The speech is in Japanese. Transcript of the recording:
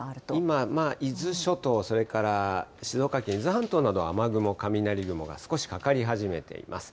今、伊豆諸島、それから静岡県、伊豆半島など、雨雲、雷雲が少しかかり始めています。